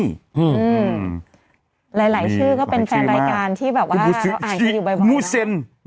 หลายหลายชื่อก็เป็นแฟนรายการที่แบบว่าเราอ่านกันอยู่บ่อยเซ็น